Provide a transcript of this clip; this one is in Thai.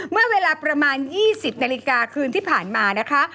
เมื่อเวลาประมาณ๒๐นาฬิกาคืนที่ผ่านมานะคะ